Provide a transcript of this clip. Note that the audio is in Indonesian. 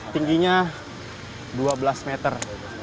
tingginya dua belas meter